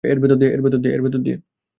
এর ভেতর দিয়ে।